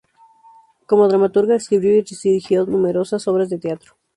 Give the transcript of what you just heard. Como dramaturga escribió y dirigió numerosas obras de teatro.